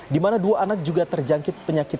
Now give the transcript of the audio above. di mana dua anak juga terjangkit penyakit